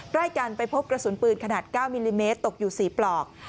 ใกล้กันไปพบกระสุนปืนขนาด๙มิลลิเมตรตกอยู่๔ปลอก